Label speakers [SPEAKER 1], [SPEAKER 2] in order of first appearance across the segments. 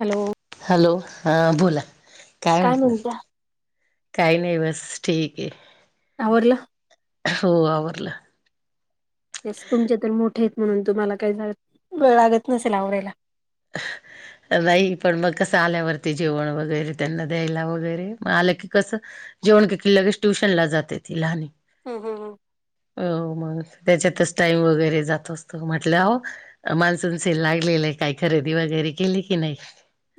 [SPEAKER 1] Hello!
[SPEAKER 2] Hello हा बोला काय म्हणताय. काही नाही बस ठीक आहे.
[SPEAKER 1] आवरल?
[SPEAKER 2] हो आवरलं.
[SPEAKER 1] तुमचे तर मोठे आहेत म्हणून तुम्हाला काही वेळ लागत नसेल आवरायला. [inaudible]
[SPEAKER 2] नाही पण मग कसं आल्यावरती जेवण वगैरे त्यांना द्यायला वगैरे मग आलं की कसं जेवण केलं की लगेच ट्यूशन ला जाते ती लहण.
[SPEAKER 1] ह हं
[SPEAKER 2] अ मग त्याच्यातच टाइम वगैरे जात असत म्हटलं हो मान्सून सेल लागलेलं आहे काही खरेदी वगैरे केली की नाही?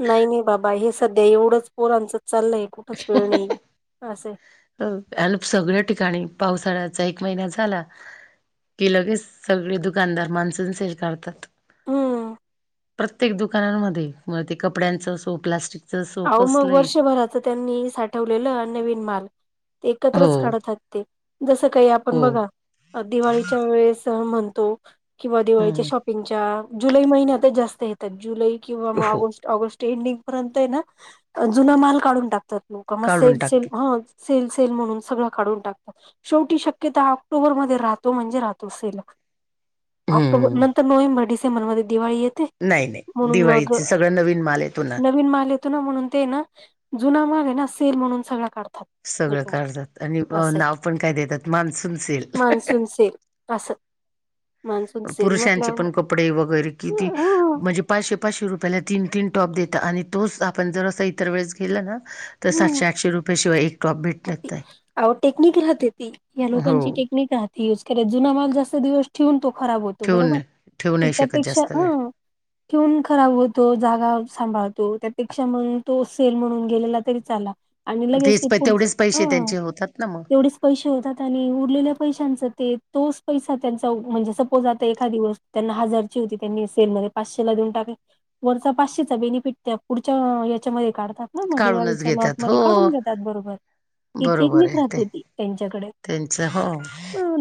[SPEAKER 1] नाही नाही बाबा! हे सध्या एवढंच पोर आचं चाललं आहे कुठच वेळ नाहीये असाया.
[SPEAKER 2] अनु सगळ्या ठिकाणी पावसाळ्याचा एक महिना झाला. के लगेच सगळे दुकानदार माणसं सेल काढतात.
[SPEAKER 1] ह
[SPEAKER 2] प्रत्येक दुकानांमध्ये म ते कपड्यांचं अससो प्लास्टिक
[SPEAKER 1] अहो मग वर्षभरात अस त्यांनी साठवलेलं नवीन माल ते
[SPEAKER 2] हो
[SPEAKER 1] एकत्रच काढत हात ते जसं काही आपण
[SPEAKER 2] हो
[SPEAKER 1] बघा दिवाळीच्या वेळेस म्हणतो किंवा दिवाळीच्या
[SPEAKER 2] हम्म
[SPEAKER 1] शॉपिंगच्या जुलै महिन्यातच जास्त येतात जुलै किंवा मग
[SPEAKER 2] हो
[SPEAKER 1] ऑगस्ट ऑगस्ट रेंडिंग पर्यंत आहे ना जुना माल काढून टाकतात लोक म
[SPEAKER 2] काढून
[SPEAKER 1] सेल सेल
[SPEAKER 2] टाकते
[SPEAKER 1] सेल सेल म्हणून सगळं काढून टाकतात. शेवटी शक्यता ऑक्टोबर मध्ये राहतो म्हणजे राहतो सेल. ऑक्टोबर
[SPEAKER 2] हम्म
[SPEAKER 1] नंतर नोव्हेबर, डिसेंबरमध्ये दिळी येत
[SPEAKER 2] नाही नाही दिवाळीच सगळं नवीन माल येतो ना?
[SPEAKER 1] नवीन माल येतो म्हणून ते ना जुना माल आहे ना सेल म्हणून सगळ
[SPEAKER 2] सगळं
[SPEAKER 1] काढतात.
[SPEAKER 2] काढतात आणि अ,
[SPEAKER 1] असं
[SPEAKER 2] नाव पण काय देतात मान्सून सेल
[SPEAKER 1] मान्सून सेल अस
[SPEAKER 2] पुरुषांचे पण कपडे वगैरे किती
[SPEAKER 1] हम्म
[SPEAKER 2] म्हणजे पाचशे पाचशे रुपयाला तीन तीन टॉप देतात आणि तोच आपण जर असं इतर वेळेस गेल ना तर सातशे आठशे रुपये शिवाय येत
[SPEAKER 1] टेक्निक राहते ती या
[SPEAKER 2] हो
[SPEAKER 1] लोकांची टेक्निक राहते. यूज कर जुना माल जास्त दिवस ठेवून तो खराब होतो
[SPEAKER 2] ठेवून
[SPEAKER 1] बरोबर
[SPEAKER 2] ठेवू
[SPEAKER 1] मग
[SPEAKER 2] नाही शकत
[SPEAKER 1] त्यापेक्षा
[SPEAKER 2] जास्त
[SPEAKER 1] हा,
[SPEAKER 2] वेळ
[SPEAKER 1] ठेऊन खराब होतो जागा सांभाळतो त्यापेक्षा मण तो सेल म्हणून गेलेला तरी चाला. आणि लगेच
[SPEAKER 2] तेच
[SPEAKER 1] ते
[SPEAKER 2] प
[SPEAKER 1] पुढच
[SPEAKER 2] तेवढेच पैसे
[SPEAKER 1] हं.
[SPEAKER 2] त्यांचे होतात ना मग
[SPEAKER 1] तेवढेच पैसे होतात आणि उरलेल्या पैशांच ते तोच पैसा त्यांचा म्हणजे सपोज आता एखा दिवस. त्यांना हजारची होती त्यांनी सेलमध्ये पाचशे ला देऊन टाका. वरचा पाचशेचा बेनिफिट त्या पुढच्या याच्यामध्ये काढतात. ना म
[SPEAKER 2] काढूनच
[SPEAKER 1] दिवाळीच्या
[SPEAKER 2] घेतात
[SPEAKER 1] लॉटमध्ये
[SPEAKER 2] हो
[SPEAKER 1] काढून घेतात बरोबर. की
[SPEAKER 2] बरोबर
[SPEAKER 1] टेकनिक
[SPEAKER 2] आहे ते
[SPEAKER 1] राहते त्यांच्याकडे
[SPEAKER 2] त्यांचं हो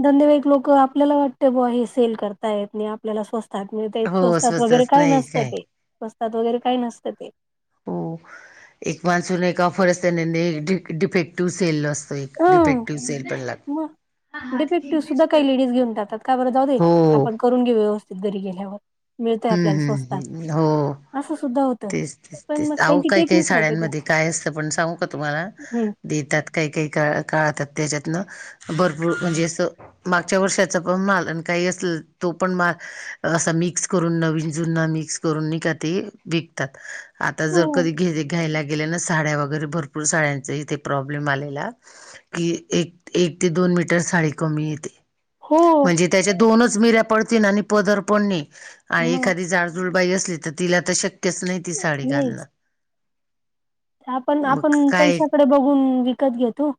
[SPEAKER 1] धंदेवाईक लोक आपल्याला वाटत ब हे सेल करता ये आपल्याला स्वस्त त ते
[SPEAKER 2] हो
[SPEAKER 1] स्वस्तात वगैरे
[SPEAKER 2] स्वस्तच
[SPEAKER 1] काय
[SPEAKER 2] नाही
[SPEAKER 1] नसतं ते स्वस्तात वगैरे काय नसतं ते.
[SPEAKER 2] हो एक बाजूला एक ऑफरच त्यानी डिफेक्टिव्ह सेल असत. त एक
[SPEAKER 1] हं
[SPEAKER 2] डिफेक्टिव्ह सेल पण लागतो.
[SPEAKER 1] मग डिफेक्टिव्ह सुद्धा काही लेडीज घेऊन जात का बरं जाऊदे
[SPEAKER 2] हो
[SPEAKER 1] आपण करून घे व्यवस्थित घरी गेल्यावर मिळतय
[SPEAKER 2] हम्म
[SPEAKER 1] आपल्याला स्वस्तात
[SPEAKER 2] हम्म हो
[SPEAKER 1] असं सुद्धा
[SPEAKER 2] तेच तेच
[SPEAKER 1] पण
[SPEAKER 2] तेच
[SPEAKER 1] मग
[SPEAKER 2] आहो
[SPEAKER 1] त्यांची
[SPEAKER 2] काही काही
[SPEAKER 1] टेक्निक राहते ती
[SPEAKER 2] साड्यांमध्ये काय असतं पण सांगू का तुम्हाला,
[SPEAKER 1] हं
[SPEAKER 2] देतात काही काही का काळतात त्याच्यातनं भरपूर म्हणजे असं मागच्या वर्षाचा पण माल आणि काही असल तो पण माल असा मिक्स करून नवीन जुना मिक्स करून न का ते विक, आता
[SPEAKER 1] हो
[SPEAKER 2] जर कधी घ घ्यायला गेले ना साड्या वगैरे भरपूर भरपूर साड्यांचा इथे प्रॉब्लेम आलेला. कि एक एक ते दोन मीटर साडी कमी येते.
[SPEAKER 1] हो.
[SPEAKER 2] म्हणजे त्याच्या दोनच निऱ्या पड आणि पदर पडणे आणि
[SPEAKER 1] मग
[SPEAKER 2] एखादी जा जुळबाई असली तर तिला आता शक्यच नाही ती साडी घालण.
[SPEAKER 1] नाहीच आपण आपण
[SPEAKER 2] काय
[SPEAKER 1] पैशाकडे बघून विकत घेतो.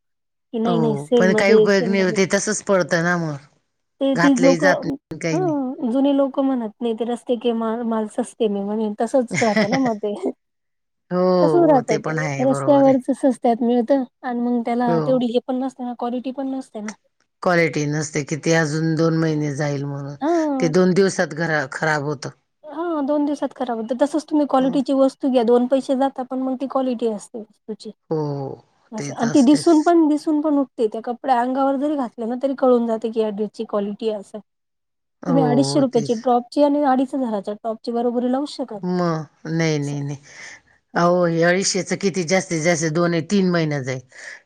[SPEAKER 1] कि नाही नाही
[SPEAKER 2] हो
[SPEAKER 1] सेल
[SPEAKER 2] पण काही
[SPEAKER 1] मध्ये ए
[SPEAKER 2] उपयोग
[SPEAKER 1] सेल
[SPEAKER 2] नाही
[SPEAKER 1] मध्ये
[SPEAKER 2] होते तसच पडतं ना मग
[SPEAKER 1] ते ती
[SPEAKER 2] घातलंही
[SPEAKER 1] लोक
[SPEAKER 2] जात नाही काही नाही
[SPEAKER 1] ह जुने लोक म्हणत नाही ते रस्ते कि मा मालस अस ते मी म्हण तसच राहतं ना मध्ये तस
[SPEAKER 2] हो
[SPEAKER 1] राहत.
[SPEAKER 2] ते पण आहे बरोबर
[SPEAKER 1] रस्त्यावरच
[SPEAKER 2] आहे
[SPEAKER 1] स्वस्तात मिळत आणि मग त्याला
[SPEAKER 2] हो
[SPEAKER 1] तेवढी पण नसते ना क्वालिटी पण नसते ना?
[SPEAKER 2] क्वालिटी नसते की ते अजून दोन महिने जाईल म्हणून.
[SPEAKER 1] हा
[SPEAKER 2] ते दोन दिवसात खराब होत.
[SPEAKER 1] हा दोन दिवसात खराब होतं तसं तुम्ही क्वालिटीची वस्तू घ्या दोन पैसे जात पण मग ती क्वालिटी असते.
[SPEAKER 2] हो ते
[SPEAKER 1] आणि
[SPEAKER 2] तर
[SPEAKER 1] ती
[SPEAKER 2] असतेच
[SPEAKER 1] दिसून पण दिसून पण त्या कपड्या अंगावर जरी घातल्या ना तरी कळून जाते की या ड्रेसची क्वालिटी असं तुम्ही अडीचशे
[SPEAKER 2] हो
[SPEAKER 1] रुपयाेची
[SPEAKER 2] तेच
[SPEAKER 1] ट्रॉपची आणि अडीच हजाराच्या ट्रॉपची बरोबरी लावू शकता
[SPEAKER 2] म, नाही नाही नाही अहो हे अडीचशेचं किती जास्तीत जास्त दोन, तीन महिन जाईल.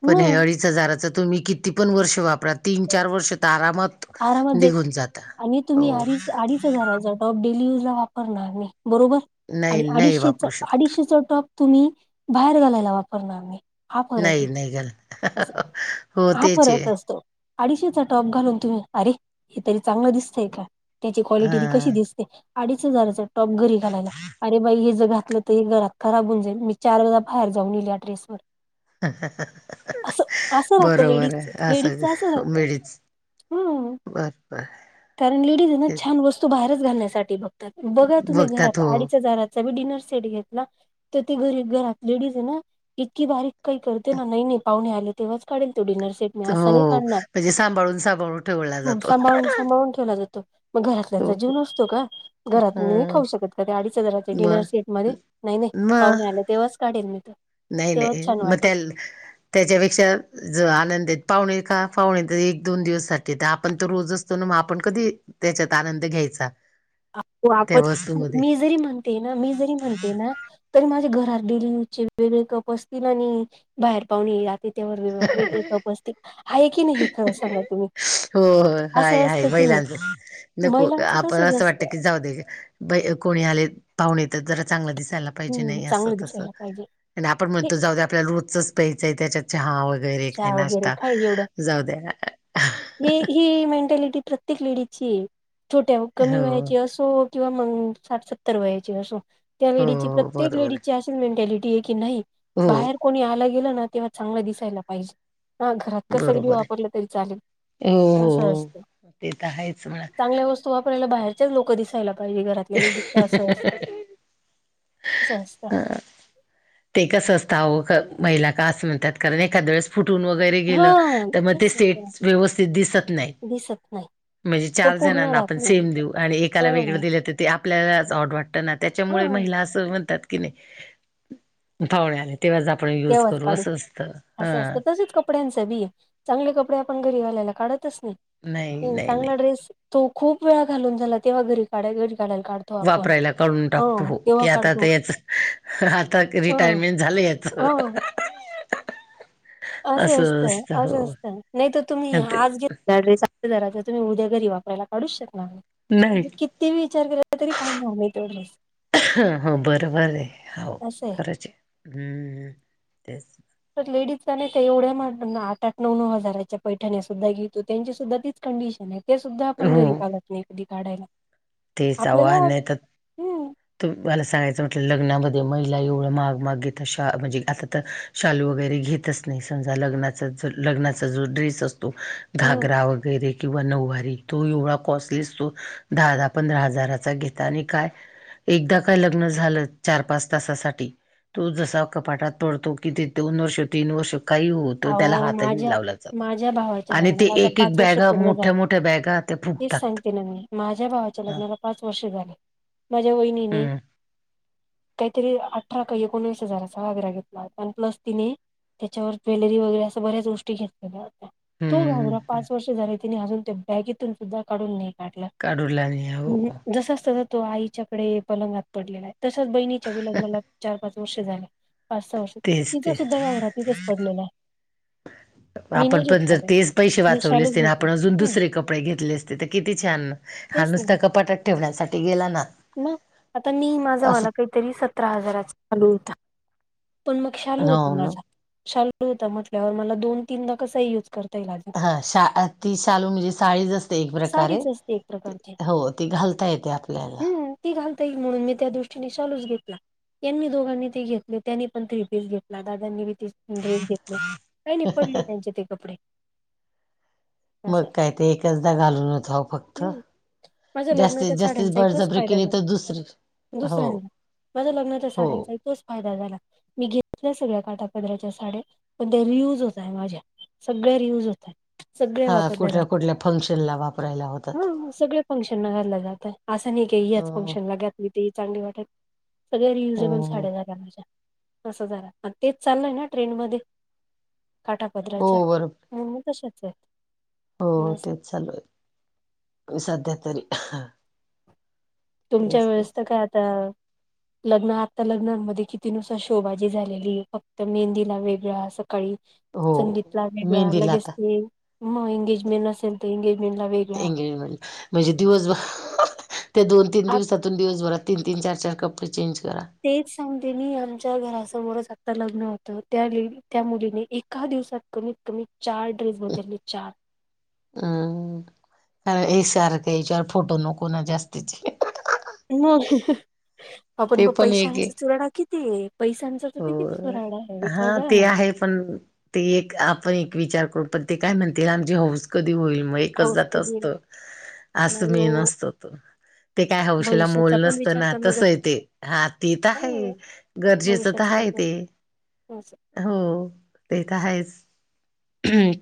[SPEAKER 2] पण हे
[SPEAKER 1] मग
[SPEAKER 2] अडीच हजाराच तुम्ही किती पण वर्ष वापरा तीन चार वर्ष तर आरामात.
[SPEAKER 1] आरामात जा
[SPEAKER 2] निघून जाता
[SPEAKER 1] आणि तुम्ही
[SPEAKER 2] हो
[SPEAKER 1] अडीच अडीच हजार ज टॉप डेली यूज ला वापरणार मी बरोबर
[SPEAKER 2] नाही
[SPEAKER 1] आणि
[SPEAKER 2] नाही
[SPEAKER 1] अडीचशेच
[SPEAKER 2] वापरू शकत
[SPEAKER 1] अडीचशेच टॉप तुम्ही बाहेर घालायला वापरणार. हा फरक
[SPEAKER 2] नाही
[SPEAKER 1] य
[SPEAKER 2] नाही घाल
[SPEAKER 1] अस
[SPEAKER 2] हो
[SPEAKER 1] हा
[SPEAKER 2] तेच
[SPEAKER 1] फरक
[SPEAKER 2] आहे
[SPEAKER 1] असतो. अडीचशेचा टॉप घालून तुम्ही, अरे! हे तरी चांगलं दिसतय का त्याची क्वालिटी ती
[SPEAKER 2] हा
[SPEAKER 1] कशी दिसते. अडीच हजाराचा टॉप घरी घालायला अरे बाई हे जर घातलं तर हे घरात खराब होऊन जाईल मी चार वाजा बाहेर जाऊन येईली ड्रेसवर. असं असं राहतं
[SPEAKER 2] बरोबर
[SPEAKER 1] लेडीजच
[SPEAKER 2] आहे
[SPEAKER 1] लेडीजच
[SPEAKER 2] असं
[SPEAKER 1] राहतं
[SPEAKER 2] मिेळीच.
[SPEAKER 1] हम्म
[SPEAKER 2] बर बर!
[SPEAKER 1] कारण लेडीज ना
[SPEAKER 2] ते
[SPEAKER 1] छान वस्तू बाहेरच घालण्यासाठी बघतात बघा तुम्ही
[SPEAKER 2] बघतात
[SPEAKER 1] घरात
[SPEAKER 2] हो
[SPEAKER 1] आडीच्या हजाराचं. स डिनर सेट घेत ना तर ते घरी घरात लेडीज आहे ना इतकी भारी काही करते ना नाही नाही पाहुणे आले तेव्हा काढल तो डिनर सेट. मी असा
[SPEAKER 2] हो म्हणजे सांभाळून, सांभाळून ठेवला
[SPEAKER 1] ह
[SPEAKER 2] जातो
[SPEAKER 1] सांभाळून सांभाळून ठेवला जातो मग घरातल्याचा
[SPEAKER 2] हो
[SPEAKER 1] जीव नसतो का?
[SPEAKER 2] ह
[SPEAKER 1] घरात खाऊ शकत का ते अडीज हजाराचे डिनर
[SPEAKER 2] मग
[SPEAKER 1] सेटमध्ये नाही नाही
[SPEAKER 2] मग
[SPEAKER 1] पाहुणे आल्या तेव्हाच काढेल मी
[SPEAKER 2] नाही नाही
[SPEAKER 1] तेव्हाच छान
[SPEAKER 2] मग
[SPEAKER 1] वाटेल
[SPEAKER 2] त्या त्याच्यापेक्षा ज आनंदेत पाहुणे का पाहुणे एक दोन दिवससाठी तर आपण तर रोजच असतो ना मग आपण कधी त्याच्यात आनंद घ्यायचा त्या
[SPEAKER 1] आपण
[SPEAKER 2] वस्तूमध्ये
[SPEAKER 1] मी जरी म्हणते ना, मी जरी म्हणते ना तरी माझ्या घरात डेलीचे वेगळे कप असतील आणि बाहेर पाहून येला तेथवर वेगळेपस्तील आहे की नाही हे खं सांगा तुम्ही?
[SPEAKER 2] हो हो हाय
[SPEAKER 1] असं
[SPEAKER 2] आहेा
[SPEAKER 1] असतं की नाही
[SPEAKER 2] महिलांच नको
[SPEAKER 1] महिलांचं
[SPEAKER 2] आपण
[SPEAKER 1] तसच
[SPEAKER 2] असं
[SPEAKER 1] असतं
[SPEAKER 2] वाटत. जाऊ दे घ्या कोणी आले पाहुणे तर जरा चांगला दिसायला प्यायचं
[SPEAKER 1] हम्म
[SPEAKER 2] नाही असं
[SPEAKER 1] चांगलं
[SPEAKER 2] तसं
[SPEAKER 1] दिसायला पाहिजे
[SPEAKER 2] आणि आपण
[SPEAKER 1] हे
[SPEAKER 2] म्हणतो जाऊ द्या रोजचंच पाहिजे त्याच्यात चहा वगैरे काही
[SPEAKER 1] चहा वगैरे
[SPEAKER 2] नाश्ता जाऊ द्या.
[SPEAKER 1] हे ही मेंटॅलिटी प्रत्येक लेडीची छोट्या कमी
[SPEAKER 2] हो
[SPEAKER 1] व्हायची असो किंवा साठ सत्तर वयाची अस त्या
[SPEAKER 2] हो
[SPEAKER 1] लेडी
[SPEAKER 2] हो
[SPEAKER 1] प्रत्येक
[SPEAKER 2] बरोबर
[SPEAKER 1] लेडी
[SPEAKER 2] आहे
[SPEAKER 1] मेंटॅलिी की नाही
[SPEAKER 2] हो
[SPEAKER 1] बाहेर कोणी आल गेलं ना तेव्हा चांगलं दिसायला पाहिजे. हा घरात कसंगी
[SPEAKER 2] बरोबर
[SPEAKER 1] वापरलं तरी चालेल.
[SPEAKER 2] आहे हो हो
[SPEAKER 1] असं असत
[SPEAKER 2] हो ते तर आहेच म्हणा
[SPEAKER 1] चांगल्या वस्तू तू आपल्याला बाहेरच्याच लोक दिसायला पाहिजे घरातलेली फक्त असं असतं. असं असतं.
[SPEAKER 2] ह. ते कसं असत अहो महिला का असं म्हणतात कारण एखाद वेळेस फुटून वगैरे
[SPEAKER 1] हा
[SPEAKER 2] गेलं तर मग
[SPEAKER 1] तेच
[SPEAKER 2] ते
[SPEAKER 1] सांगते
[SPEAKER 2] सेट
[SPEAKER 1] ना
[SPEAKER 2] व्यवस्थित दिसत नाही.
[SPEAKER 1] दिसत नाही.
[SPEAKER 2] म्हणजे
[SPEAKER 1] तो
[SPEAKER 2] चार
[SPEAKER 1] पूर्ण
[SPEAKER 2] जणांना
[SPEAKER 1] राहत
[SPEAKER 2] आपण
[SPEAKER 1] नाही
[SPEAKER 2] सेम देऊ आणि एकाला वेगळं
[SPEAKER 1] हा.
[SPEAKER 2] दिलं तर ते आपल्यालाच ऑड वाटतं ना त्याच्यामुळे
[SPEAKER 1] हा
[SPEAKER 2] महिला असं म्हणतात की नाही. थावण्याला तेव्हाच आपण युज
[SPEAKER 1] तेव्हाच
[SPEAKER 2] करू
[SPEAKER 1] काढू
[SPEAKER 2] असं असतं हा.
[SPEAKER 1] असं असतं तसेच कपड्यांच बी आहे चांगले कपडे आपण घरी वाल्याला काढतच नाही
[SPEAKER 2] नाही नाही नाही
[SPEAKER 1] चांगला ड्रेस तो खूप वेळा घालून झाला तेव्हा घरी काढ घरी कााडयला काढत.
[SPEAKER 2] वापरायला कळून टाकतो हो की आता
[SPEAKER 1] काढतो
[SPEAKER 2] याच आता
[SPEAKER 1] ह
[SPEAKER 2] रिटायरमेंट झालं.
[SPEAKER 1] ह
[SPEAKER 2] [unintelligible]
[SPEAKER 1] असं असत असं असत नाही तर तुम्ही
[SPEAKER 2] अन ते
[SPEAKER 1] आज घे जरा तर तुम्ही उद्या घरी वापरायला काढूच शकणार
[SPEAKER 2] नाही
[SPEAKER 1] तुम्ही किती विचार केला तरी का झाग तेवढेच
[SPEAKER 2] हो बरं बर आहे हो
[SPEAKER 1] असं आहे.
[SPEAKER 2] खरंच
[SPEAKER 1] तर लेडीिजला नाही त्या एवढ्या म आठ आठ नऊ नऊ हजाराच्या पैठणीस सुद्धा घेतो त्यांची सुद्धा तीच कंडिशन आहे. ते सुद्धा आपण घरी
[SPEAKER 2] हो
[SPEAKER 1] पालत नाही कदी काढायला आपल्याला हम्.
[SPEAKER 2] त मला सांगायचं म्हटलं लग्नामध्ये महिला एवढं माग माग घेेतशा म्हणजे आता तर शालू वगैरे घेतच नाही समजा लग्नाचा ज लग्नाचा जो ड्रेस असतो. त घागरा वगैरे किंवा नऊवारी तो एवढा कॉस्टली असतो दहा दहा पंधरा हजाराचा घेता आणि काय? एकदा काय लग्न झालं चार पाच तासासाठी तो जसा कपाटात पडतो कि ते दोन वर्ष तीन वर्ष काही होत. त्याला
[SPEAKER 1] अहो
[SPEAKER 2] हात
[SPEAKER 1] माझ्या
[SPEAKER 2] लावला जात
[SPEAKER 1] माझ्या भावाच्या
[SPEAKER 2] आणि ते
[SPEAKER 1] लग्नाला आता
[SPEAKER 2] एक एक
[SPEAKER 1] पाच वर्ष
[SPEAKER 2] बॅग
[SPEAKER 1] पूर्ण
[SPEAKER 2] मोठ्या
[SPEAKER 1] झाले
[SPEAKER 2] मोठ्या बॅगा ते
[SPEAKER 1] तेच
[SPEAKER 2] फुटतात.
[SPEAKER 1] सांगते माझ्या भावाच्या लग्नाला पाच वर्ष झाले माझ्या वहिनीने
[SPEAKER 2] हम्म
[SPEAKER 1] काहीतरी अठरा काही एकोणवीस हजाराचा वगैरा घेतला आणि प्लस तिने त्याच्यावर ज्वेलरी वगैरे अस बऱ्याच गोष्टी घेतल्याल्या तो घाबरा
[SPEAKER 2] हम्म
[SPEAKER 1] पाच वर्ष झाले. ति अजून त्या बॅगतून सुद्धा काढून नाही काढलं
[SPEAKER 2] काढूला नाही हो
[SPEAKER 1] जस. तो आईच्याकडे पलंगात पडलेला आहे तसच बहिणीच्या विलग्नाला चार पाच वर्ष झालं पाच सहा वर्ष
[SPEAKER 2] तेच
[SPEAKER 1] तिचा
[SPEAKER 2] तेच
[SPEAKER 1] सुद्धा रांघातीथच पडलेला आहे. मी
[SPEAKER 2] आपण
[SPEAKER 1] नाही
[SPEAKER 2] पण
[SPEAKER 1] घेतला
[SPEAKER 2] जर
[SPEAKER 1] बाई
[SPEAKER 2] तेच पैसे
[SPEAKER 1] मी
[SPEAKER 2] वाचवले
[SPEAKER 1] शालूच
[SPEAKER 2] असते
[SPEAKER 1] घेतला
[SPEAKER 2] आपण अजून
[SPEAKER 1] हम्म
[SPEAKER 2] दुसरे कपडे घेतले असते तर किती छान हा
[SPEAKER 1] तेच
[SPEAKER 2] नुसता कपाटात ठेवण्यासाठी गेला ना.
[SPEAKER 1] ना आता मी
[SPEAKER 2] असं
[SPEAKER 1] माझावाला काही तरी सतरा हजाराचा शालू होता पण मग शालू
[SPEAKER 2] हो
[SPEAKER 1] होता
[SPEAKER 2] ना
[SPEAKER 1] माझा शालू होता म्हटल्यावर मला दोन तीनदा कसाही युज करत.
[SPEAKER 2] हा शा ती शालू म्हणजे साडीच असते एक प्रकारे
[SPEAKER 1] साडीच असते एक प्रकारची
[SPEAKER 2] हो तेी घालता येते आपल्याला
[SPEAKER 1] हम्म ती घालता येई म्हणून मी त्या दृष्टीने चालूच घेतला. यांनी दोघांनी ते घेतले त्यांनी पण थ्री पीस घेतला दादांनीी ते ड्रेस घेतले काय नाही पडले त्यांचे ते कपडे असं
[SPEAKER 2] मग काय ते एकचदा घालून होच ह फक्त
[SPEAKER 1] हम्म माझ्या लग्नाच्या
[SPEAKER 2] जास्तीत जास्तीत बडजपर केिली तर दुसरीे
[SPEAKER 1] दुसऱ्यांना माझ्या लग्नाच्या साड्यांचा इ तोच फायदा झाला. मी घेतल्या सगळ्या काटा पदराच्या साड्या पण ते रियूज होतय माझ्या सगळ्या रियूज होत. [unintelligible] सगळे
[SPEAKER 2] हा
[SPEAKER 1] वापरल्या
[SPEAKER 2] कुठल्या
[SPEAKER 1] जाते
[SPEAKER 2] कुठल्या फंक्शनला वापरायला होतात
[SPEAKER 1] ह सगळ फंक्शन न घालल्या जातं. असं नाही का ह याच
[SPEAKER 2] अं,
[SPEAKER 1] फंक्शन लाग्यात म ते चांगली वाटत सगळ्या रियुजेबल
[SPEAKER 2] हो
[SPEAKER 1] साड्या झाल्या माझ्या तसं झारा तेच चाललंय ना ट्रेन मध्ये
[SPEAKER 2] हो
[SPEAKER 1] काटापदराच्या
[SPEAKER 2] बरोबर
[SPEAKER 1] ह तशच आहेत.
[SPEAKER 2] हो
[SPEAKER 1] असं
[SPEAKER 2] तेच चालू आहे सध्या तरी
[SPEAKER 1] तुमच्या
[SPEAKER 2] तेच ते
[SPEAKER 1] वेळेस तर काय आता लग्न आता लग्नांमध्ये किती नुसार शोबाजी झालेली फक्त मेहंदीला वेगळ्या सकाळी संगीतला
[SPEAKER 2] हो
[SPEAKER 1] वेगळा
[SPEAKER 2] मेहंदीला
[SPEAKER 1] लगेच
[SPEAKER 2] आता
[SPEAKER 1] ते मग एंगेजमेंट असेल तर एंगेजमेंट ला वेग
[SPEAKER 2] एंगेजमेंट म्हणजे दिवसभर त्या दोन तीन
[SPEAKER 1] आ
[SPEAKER 2] दिवसातून दिवसभरात तीन तीन चार चार कपडे चेंज करा.
[SPEAKER 1] तेच सांगतेनी आमच्या घरासमोरच आता लग्न होतं त्या त्या मुलीने एका दिवसात कमी क मी चार ड्रेस बदल म चार
[SPEAKER 2] हम्म कारण हे सारखं याच्यावर फोटो नको ना जास्तीचे
[SPEAKER 1] मग आपण
[SPEAKER 2] ते
[SPEAKER 1] ब
[SPEAKER 2] पण एक आहे
[SPEAKER 1] पैशांचा चुराड किती पैशां
[SPEAKER 2] हो
[SPEAKER 1] कितीचोराडा आहे विचार
[SPEAKER 2] हा
[SPEAKER 1] जा
[SPEAKER 2] ते
[SPEAKER 1] ना.
[SPEAKER 2] आहे पण ते एक आपण एक विचार करू पण ते काय म्हणतील आमचे हौऊस कधी होईलमुळे एकच
[SPEAKER 1] हाऊस
[SPEAKER 2] जात
[SPEAKER 1] कधी
[SPEAKER 2] असत अस
[SPEAKER 1] नाही
[SPEAKER 2] मी
[SPEAKER 1] हो,
[SPEAKER 2] नसतो तो ते काय हौशीला
[SPEAKER 1] भविष्याचा
[SPEAKER 2] मोल
[SPEAKER 1] पण
[SPEAKER 2] नसतं
[SPEAKER 1] विचार
[SPEAKER 2] ना
[SPEAKER 1] करणं
[SPEAKER 2] तसंय
[SPEAKER 1] कष्ट
[SPEAKER 2] ते हा ते तर आहे गरजेचं.
[SPEAKER 1] भविष्याचा
[SPEAKER 2] आहे
[SPEAKER 1] विचार
[SPEAKER 2] ते
[SPEAKER 1] असं
[SPEAKER 2] हो ते तर आहेच.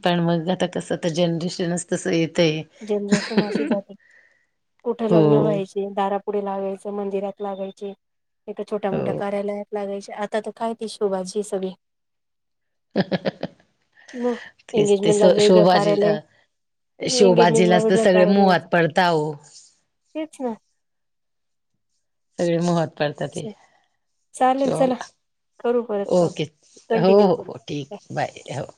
[SPEAKER 2] पण मग आता कसं तर जनरेशनच तसं येत आहे.
[SPEAKER 1] जनरेशन अशी जाते कुठे
[SPEAKER 2] हो.
[SPEAKER 1] लग्न व्हायचे. दारापुढ लागायच मंदिरात लागायचे ए छोट्या मोठ्या
[SPEAKER 2] हो
[SPEAKER 1] कार्यालयात लागायचे आता तर काय ती शोभाजी सगळी मग
[SPEAKER 2] तेच ते
[SPEAKER 1] एंगेजमेंटला वेगळं
[SPEAKER 2] शोभाजी
[SPEAKER 1] कार्यालय
[SPEAKER 2] शवबाजीला
[SPEAKER 1] एंगेजमेंटला
[SPEAKER 2] अस तर
[SPEAKER 1] वेगळं
[SPEAKER 2] सगळे मोहात पडताह.
[SPEAKER 1] तठीच ना.
[SPEAKER 2] सगळे महत् पडतात. श
[SPEAKER 1] चालेल चला करू परत कॉल
[SPEAKER 2] ओके हो
[SPEAKER 1] कंटिन्यू
[SPEAKER 2] हो हो
[SPEAKER 1] करू
[SPEAKER 2] ठीक आहे बाय हो.